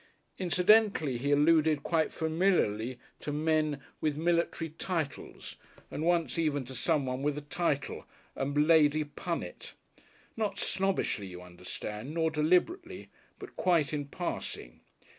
Incidentally he alluded quite familiarly to men with military titles, and once even to someone with a title, a Lady Punnet. Not snobbishly, you understand, nor deliberately, but quite in passing.